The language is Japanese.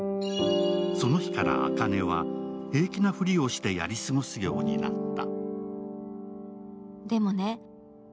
その日から朱音は平気なふりをしてやり過ごすようになった。